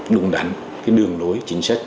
đùng đắn cái đường lối chính sách